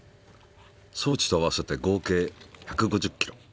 装置と合わせて合計１５０ｋｇ。